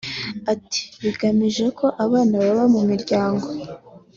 Ati “Bigamije ko abana baba mu miryango